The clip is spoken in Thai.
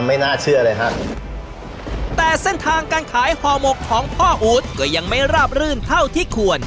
ไม่น่าเชื่อเลยฮะแต่เส้นทางการขายห่อหมกของพ่ออู๊ดก็ยังไม่ราบรื่นเท่าที่ควร